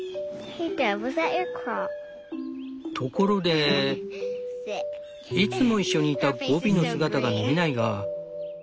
ところでいつもいっしょにいたゴビの姿が見えないが。